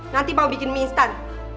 nanti mau bikin mie instan